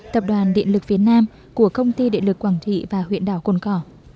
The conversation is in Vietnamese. tập đoàn điện lực việt nam của công ty điện lực quảng trị và huyện đảo cồn cỏ